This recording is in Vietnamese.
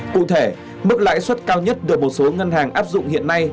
cụ thể mức lãi suất cao nhất được một số ngân hàng áp dụng hiện nay